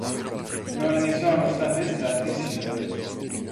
Non ne sono stati estratti singoli.